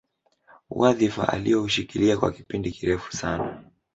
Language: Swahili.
Wadhifa alioushikilia kwa kipindi kirefu sana